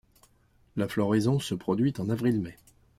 La floraison se produit en avril-mai.